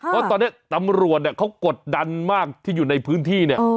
เพราะตอนนี้ตำรวจเนี่ยเขากดดันมากที่อยู่ในพื้นที่เนี่ย